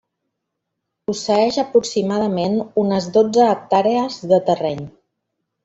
Posseeix aproximadament unes dotze hectàrees de terreny.